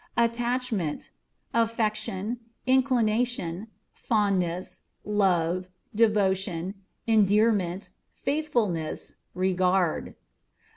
Attachment â€" affection, inclination, fondness, love, devotion. endearment ; faithfulness, regard.